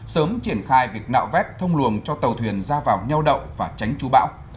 sớm triển khai việc nạo vét thông luồng cho tàu thuyền ra vào nheo đậu và tránh chú bão